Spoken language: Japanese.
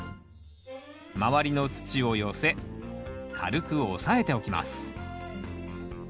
周りの土を寄せ軽く押さえておきます。